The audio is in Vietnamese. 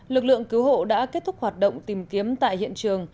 lực lượng cứu hộ đã kết thúc hoạt động tìm kiếm tại hiện trường